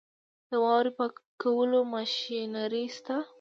د واورې پاکولو ماشینري شته؟